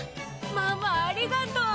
ママありがとう。